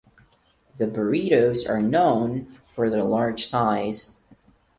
The burritos are known for their large size.